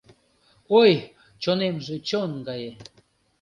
Ой, чонемже чон гае